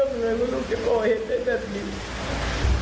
แม่ไม่รู้เรื่องอะไรว่าลูกจะโอเหตุได้แบบนี้